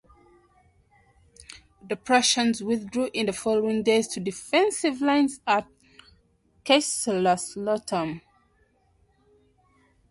The Prussians withdrew in the following days to defensive lines at Kaiserslautern.